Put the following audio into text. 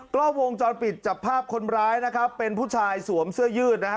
กล้องวงจรปิดจับภาพคนร้ายนะครับเป็นผู้ชายสวมเสื้อยืดนะครับ